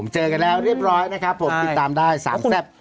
เจอกันแล้วเรียบร้อยนะครับผมติดตามได้สามแซ่บ